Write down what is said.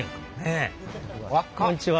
こんにちは。